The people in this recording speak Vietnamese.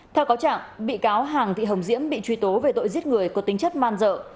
theo cáo trạng bị cáo hàng thị hồng diễm bị truy tố về tội giết người có tính chất man dợ